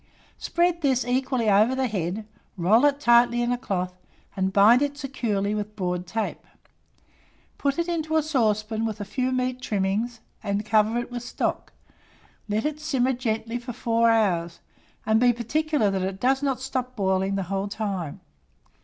Spread this equally over the head, roll it tightly in a cloth, and bind it securely with broad tape. Put it into a saucepan with a few meat trimmings, and cover it with stock; let it simmer gently for 4 hours, and be particular that it does not stop boiling the whole time.